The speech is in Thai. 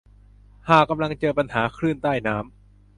หากกำลังเจอปัญหาคลื่นใต้น้ำ